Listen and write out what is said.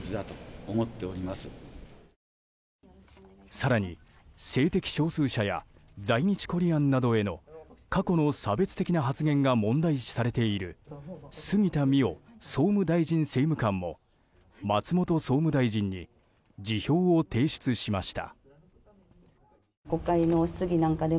更に、性的少数者や在日コリアンなどへの過去の差別的な発言が問題視されている杉田水脈総務大臣政務官も松本総務大臣に辞表を提出しました。